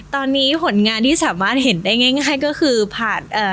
ตอนนี้ผลงานที่สามารถเห็นได้ง่ายก็คือผ่านเอ่อ